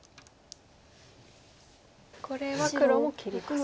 これは黒も切りますか。